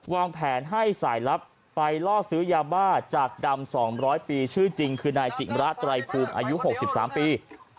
วางแผนให้สายลับไปล่อซื้อยาบ้าจากดำ๒๐๐ปีชื่อจริงคือนายจิมระไตรภูมิอายุ๖๓ปี